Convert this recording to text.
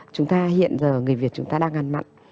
chúng ta hiện giờ người việt chúng ta đang ngăn mặn